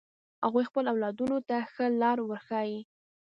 هغوی خپل اولادونو ته ښه لار ورښایی